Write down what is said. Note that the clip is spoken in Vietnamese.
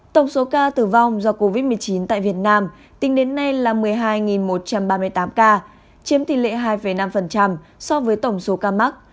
tổng số ca tử vong do covid một mươi chín tại việt nam tính đến nay là một mươi hai một trăm ba mươi tám ca chiếm tỷ lệ hai năm so với tổng số ca mắc